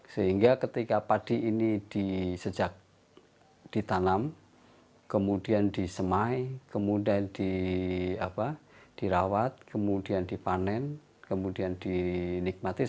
sehingga ketika padi ini sejak ditanam kemudian disemai kemudian dirawat kemudian dipanen kemudian dinikmati